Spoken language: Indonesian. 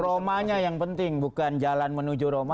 aromanya yang penting bukan jalan menuju roma